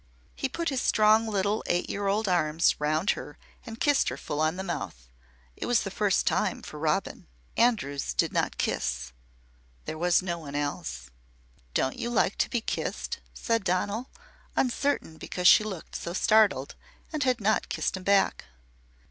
He put his strong little eight year old arms round her and kissed her full on the mouth. It was the first time, for Robin. Andrews did not kiss. There was no one else. "Don't you like to be kissed?" said Donal, uncertain because she looked so startled and had not kissed him back.